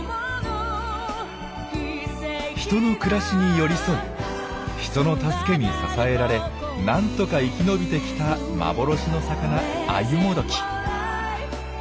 人の暮らしに寄り添い人の助けに支えられなんとか生き延びてきた幻の魚アユモドキ。